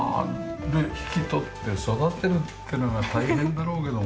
引き取って育てるってのが大変だろうけども。